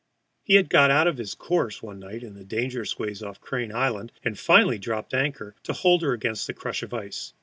He had got out of his course one night in the dangerous ways off Crane Island, and finally dropped anchor to hold her against the crush of ice.